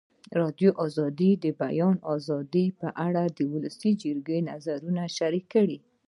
ازادي راډیو د د بیان آزادي په اړه د ولسي جرګې نظرونه شریک کړي.